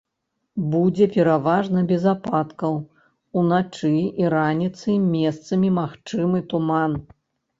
Будзе пераважна без ападкаў, уначы і раніцай месцамі магчымы туман.